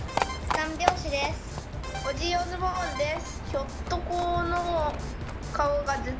三拍子です。